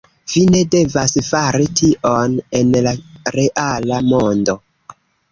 Vi ne devas fari tion en la reala mondo